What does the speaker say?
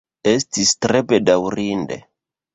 Estis tre bedaŭrinde.